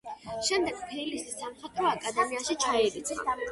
შემდეგ თბილისის სამხატვრო აკადემიაში ჩაირიცხა.